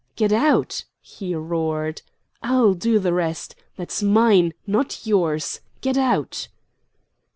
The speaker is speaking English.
"Get out!" he roared. "I'll do the rest. That's mine, not yours! _Get out!